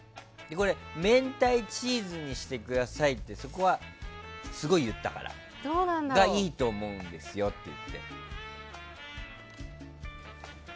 明太チーズにしてくださいってそこはすごい言ったからいいと思うんですよって。